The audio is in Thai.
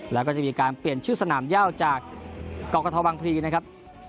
แล้วก็จะมีการเปลี่ยนชื่อสนามย่าวจากกรกฐวังพรีนะครับ